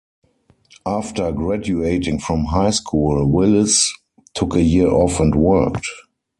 After graduating from high school, Willis took a year off and worked.